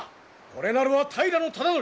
これなるは平忠度！